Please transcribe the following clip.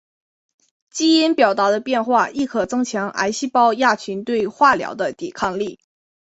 基因表达的变化亦可增强癌细胞亚群对化疗的抵抗力。